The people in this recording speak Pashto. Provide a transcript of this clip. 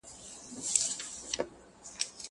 زه ليکنې کړي دي!